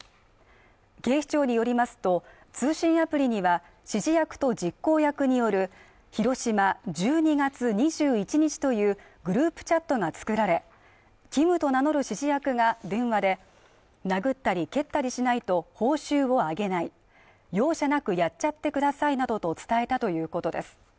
警視庁によりますと、通信アプリには指示役と実行役による広島１２／２１というグループチャットが作られ、Ｋｉｍと名乗る指示役が電話で殴ったり蹴ったりしないと、報酬をあげない容赦なくやっちゃってくださいなどと伝えたということです。